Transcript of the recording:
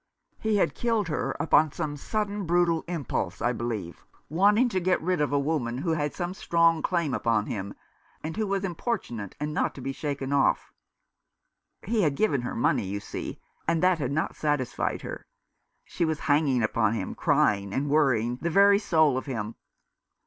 He had killed her upon some sudden brutal impulse, I believe, wanting to get rid of a woman who had some strong claim upon him, and who was importunate, and not to be shaken off. He 332 The American Remembers. had given her money, you see, and that had not satisfied her. She was hanging upon him, crying, and worrying the very soul of him.